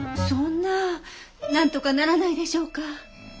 そんななんとかならないでしょうか。